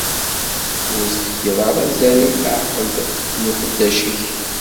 Ur tefkiḍ ara azal i leɛqed n uqeddac-ik.